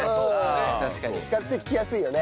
比較的来やすいよね。